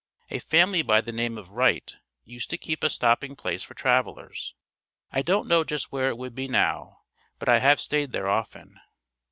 A family by the name of Wright used to keep a stopping place for travelers. I don't know just where it would be now, but I have stayed there often.